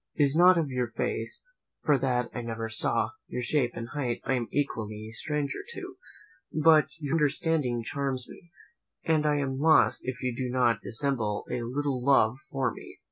It is not for your face, for that I never saw; your shape and height I am equally a stranger to; but your understanding charms me, and I am lost if you do not dissemble a little love for me.